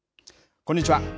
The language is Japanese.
こんにちは。